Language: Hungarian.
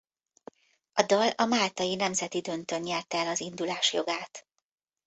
A dal a máltai nemzeti döntőn nyerte el az indulás jogát.